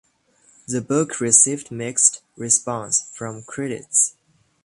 The book received mixed response from critics.